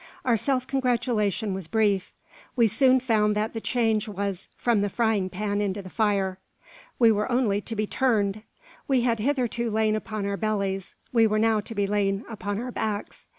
Our self congratulation was brief. We soon found that the change was "from the frying pan into the fire." We were only to be "turned." We had hitherto lain upon our bellies; we were now to be laid upon our backs.